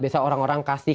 biasa orang orang kasih